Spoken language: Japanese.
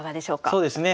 そうですね。